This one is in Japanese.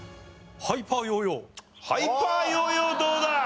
ハイパーヨーヨーどうだ？